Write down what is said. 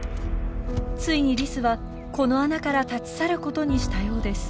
ついにリスはこの穴から立ち去ることにしたようです。